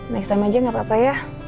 next time aja gak papa ya